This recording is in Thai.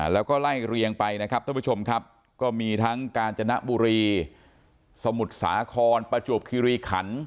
แล้วก็ไล่เรียงไปนะครับท่านผู้ชมครับก็มีทั้งกาญจนบุรีสมุทรสาครประจวบคิริขัน